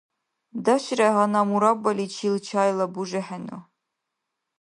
Даширая гьанна мураббаличил чайла бужехӀену.